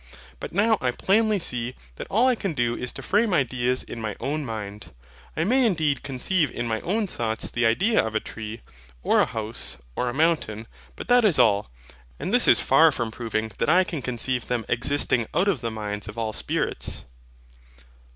But now I plainly see that all I can do is to frame ideas in my own mind. I may indeed conceive in my own thoughts the idea of a tree, or a house, or a mountain, but that is all. And this is far from proving that I can conceive them EXISTING OUT OF THE MINDS OF ALL SPIRITS.